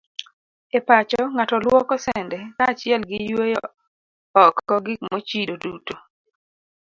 E pacho, ng'ato luoko sende kaachiel gi yweyo oko gik mochido duto.